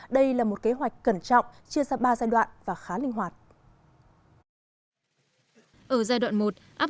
đây là một kế hoạch cẩn trọng chia ra ba giai đoạn và khá linh hoạt